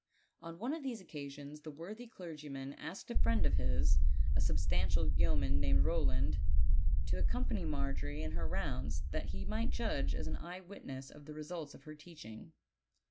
On one of these occasions the worthy clergyman asked a friend of his, a substantial yeoman named Eowland, to accompany Margery in her rounds, that he might judge as an eye witness of the results of her teaching.